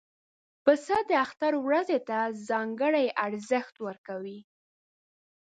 پسه د اختر ورځې ته ځانګړی ارزښت ورکوي.